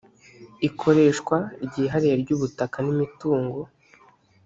ikoreshwa ryihariye ry ubutaka n imitungo